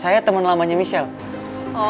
saya temen lamanya michelle